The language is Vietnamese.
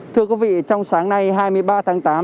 thưa quý vị trong sáng nay hai mươi ba tháng tám